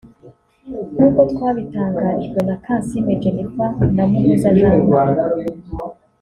nk’uko twabitangarijwe na Kansime Jennifer na Muhoza Jean Marie